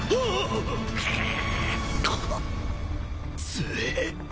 強え